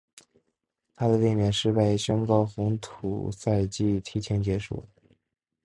她的卫冕失败也宣告红土赛季提前结束。